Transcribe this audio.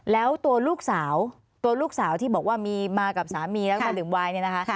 แล้วตัวลูกสาวตัวลูกสาวที่บอกว่ามีมากับสามีแล้วก็ดื่มวายเนี่ยนะคะ